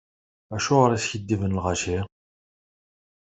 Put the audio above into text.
Acuɣer iskiddiben lɣaci?